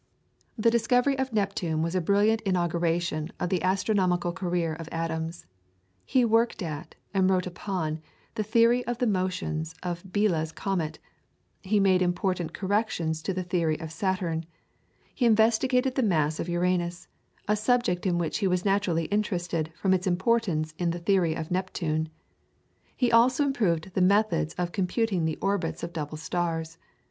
The discovery of Neptune was a brilliant inauguration of the astronomical career of Adams. He worked at, and wrote upon, the theory of the motions of Biela's comet; he made important corrections to the theory of Saturn; he investigated the mass of Uranus, a subject in which he was naturally interested from its importance in the theory of Neptune; he also improved the methods of computing the orbits of double stars.